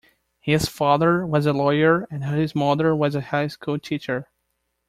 His father was a lawyer and his mother was a high school teacher.